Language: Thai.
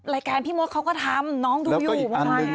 ระยะการพี่หมดเขาก็ทำน้องดูอยู่